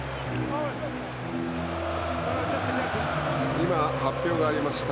今、発表がありました。